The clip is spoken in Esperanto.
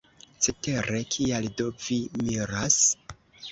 Cetere, kial do vi miras?